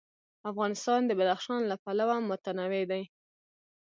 افغانستان د بدخشان له پلوه متنوع دی.